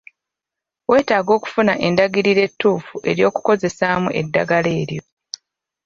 Weetaaga okufuna endagiriro entuufu ey'okukozesaamu eddagala eryo.